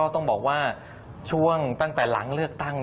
ต้องบอกว่าช่วงตั้งแต่หลังเลือกตั้ง